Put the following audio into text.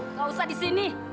nggak usah di sini